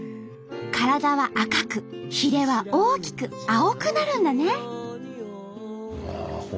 体は赤くひれは大きく青くなるんだね。